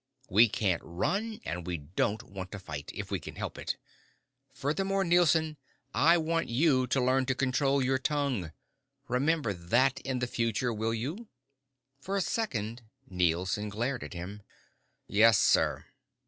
We can't run and we don't want to fight, if we can help it. Furthermore, Nielson, I want you to learn to control your tongue. Remember that in the future, will you?" For a second, Nielson glared at him. "Yes, sir."